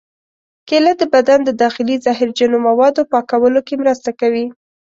کېله د بدن د داخلي زهرجنو موادو پاکولو کې مرسته کوي.